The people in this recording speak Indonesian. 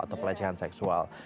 atau pelecehan seksual